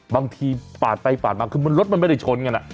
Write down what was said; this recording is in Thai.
บางทีปาดไปปาดมาคือรถมันไม่ได้ชนกัน